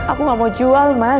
aku gak mau jual mas